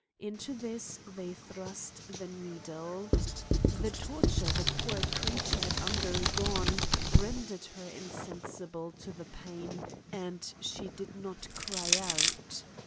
Into this they thrust the needle. The tor ture the poor creature had undergone rendered her insensible to the pain^ and she did not cry out